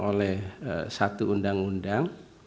oleh satu undang undang